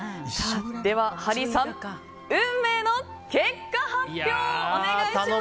では、ハリーさん運命の結果発表、お願いします。